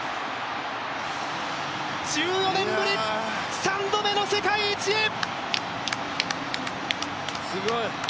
１４年ぶり、３度目の世界一へすごい！